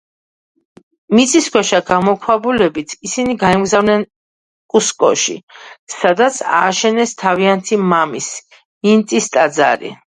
მიწისქვეშა გამოქვაბულებით, ისინი გაემგზავრნენ კუსკოში, სადაც ააშენეს თავიანთი მამის, ინტის ტაძარი.